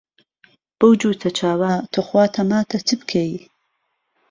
بهو جووته چاوه، توخوا، تهماته چه بکهی